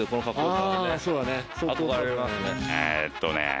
そうだね。